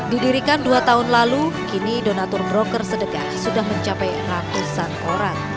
didirikan dua tahun lalu kini donatur broker sedekah sudah mencapai ratusan orang